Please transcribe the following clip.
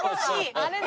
あれね！